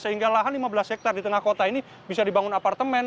sehingga lahan lima belas hektare di tengah kota ini bisa dibangun apartemen